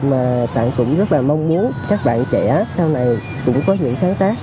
mà bạn cũng rất là mong muốn các bạn trẻ sau này cũng có những sáng tác